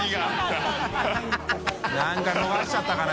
燭逃しちゃったかな？